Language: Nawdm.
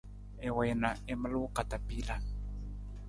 I wii na i maluu katapila.